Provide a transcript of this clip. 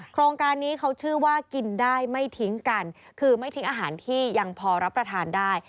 โครงการนี้เขาชื่อว่ากินได้ไม่ทิ้งกันคือไม่ทิ้งอาหารที่ยังพอรับประทานได้